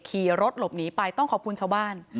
ขี่รถหลบหนีไปต้องขอบคุณชาวบ้าน